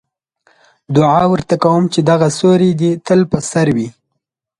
دعا ورته کوم چې دغه سیوری دې تل په سر وي.